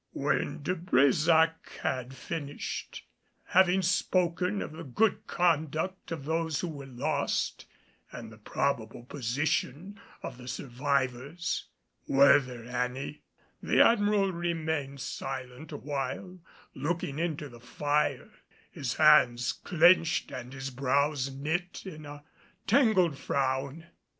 When De Brésac had finished, having spoken of the good conduct of those who were lost and the probable position of the survivors were there any the Admiral remained silent awhile looking into the fire, his hands clinched and his brows knit in a tangled frown.